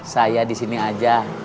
saya disini aja